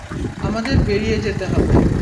আমাদের বেরিয়ে যেতে হবে।